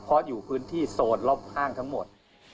เพราะอยู่พื้นที่โซนรอบข้างทั้งหมด